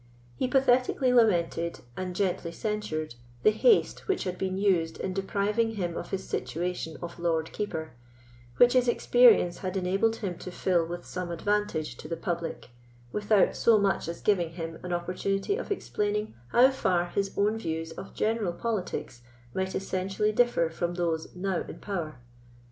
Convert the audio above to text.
He pathetically lamented, and gently censured, the haste which had been used in depriving him of his situation of Lord Keeper, which his experience had enabled him to fill with some advantage to the public, without so much as giving him an opportunity of explaining how far his own views of general politics might essentially differ from those now in power.